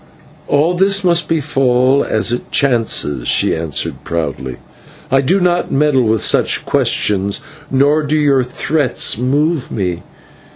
"All this must befall as it chances," she answered proudly, "I do not meddle with such questions, nor do your threats move me.